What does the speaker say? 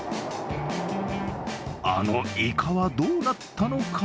あのいかはどうなったのか。